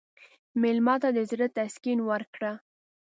مېلمه ته د زړه تسکین ورکړه.